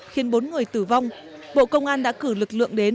khiến bốn người tử vong bộ công an đã cử lực lượng đến